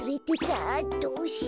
どうしよう。